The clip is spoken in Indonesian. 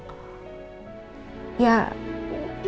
ya ya sih mungkin memang aku sakit